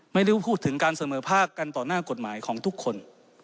ไม่ได้พูดถึงการเสมอภาคกันต่อหน้ากฎหมายของทุกคน